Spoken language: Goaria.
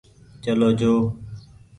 چلو جو ۔